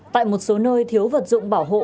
tại một số nơi thiếu vật dụng bảo hộ